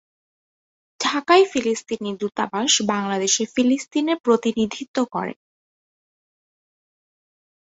ঢাকায় ফিলিস্তিনি দূতাবাস বাংলাদেশে ফিলিস্তিনের প্রতিনিধিত্ব করে।